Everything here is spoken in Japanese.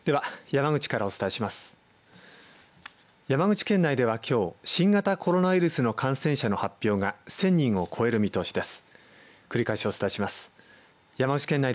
山口県内ではきょう新型コロナウイルスの感染者の発表が１０００人を超える見通しです。